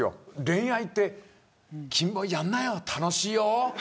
恋愛って、君もやんなよ楽しいよ。